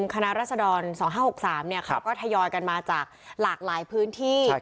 คณะรัศดร๒๕๖๓ก็ทยอยกันมาจากหลากหลายพื้นที่